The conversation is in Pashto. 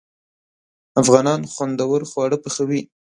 افغانان خوندور خواړه پخوي.